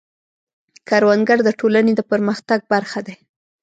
کروندګر د ټولنې د پرمختګ برخه دی